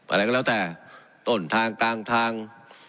อะไรก็แล้วแต่ต้นทางกลางทาง